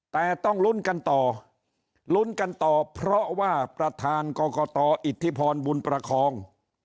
แต่ต้องลุ้นกันต่อลุ้นกันต่อเพราะว่าประธานกรกตอิทธิพรบุญประคอง